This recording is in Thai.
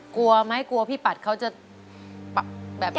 กลัวไหมพี่ปัฒน์ครั้วจะ